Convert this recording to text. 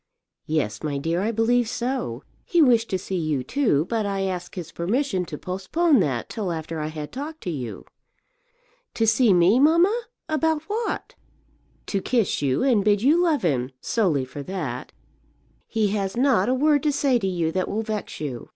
"Yes, my dear, I believe so. He wished to see you, too; but I asked his permission to postpone that till after I had talked to you." "To see me, mamma? About what?" "To kiss you, and bid you love him; solely for that. He has not a word to say to you that will vex you."